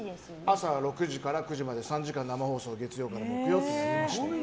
朝６時から９時まで３時間生放送、月曜から木曜。